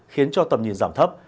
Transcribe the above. khiến cho tầm nhìn giảm thấp